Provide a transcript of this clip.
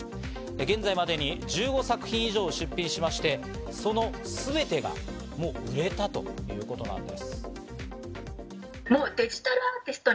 現在までに１５作品以上を出品しまして、そのすべてがもう売れたということなんです。